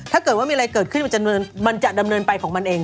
ถ้าเกิดว่ามีอะไรเกิดขึ้นมันจะดำเนินไปของมันเอง